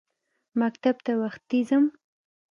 مکتب ته وختي ځم.